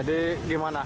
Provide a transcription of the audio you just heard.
jadi gimana tangga banyak